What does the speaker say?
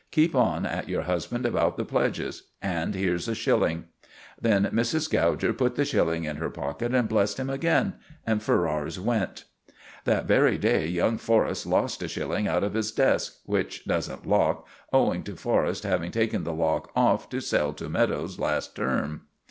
Keep on at your husband about the pledge; and here's a shilling." Then Mrs. Gouger put the shilling in her pocket and blessed him again. And Ferrars went. That very day young Forrest lost a shilling out of his desk, which doesn't lock, owing to Forrest having taken the lock off to sell to Meadowes last term.